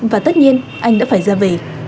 và tất nhiên anh đã phải ra về